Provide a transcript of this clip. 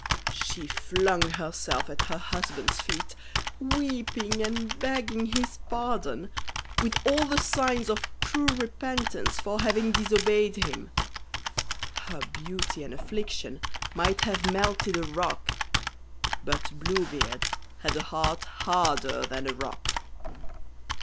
She flung herself at her husband's feet, weeping and begging his pardon, with all the signs of true repentance for having disobeyed him. Her beauty and affliction might have melted a rock, but Blue Beard had a heart harder than a rock.